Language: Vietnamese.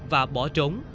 và bỏ trốn